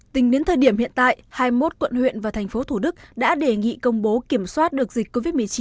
tính đến thời điểm hiện tại hai mươi một quận huyện và thành phố thủ đức đã đề nghị công bố kiểm soát được